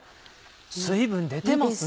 水分出てますね！